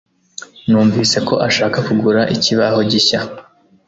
Numvise ko ashaka kugura ikibaho gishya.